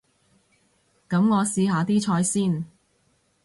噉我試下啲菜先